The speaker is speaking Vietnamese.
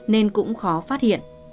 nên cũng khó phát hiện